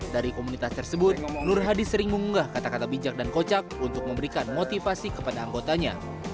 dari komunitas tersebut nur hadi sering mengunggah kata kata bijak dan kocak untuk memberikan motivasi kepada anggotanya